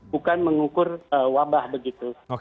bukan mengukur wabah begitu